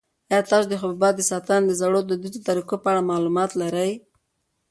آیا تاسو د حبوباتو د ساتنې د زړو دودیزو طریقو په اړه معلومات لرئ؟